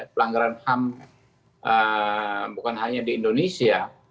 pelanggaran ham bukan hanya di indonesia